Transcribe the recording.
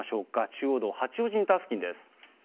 中央道八王子インター付近です。